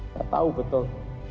saya tahu betul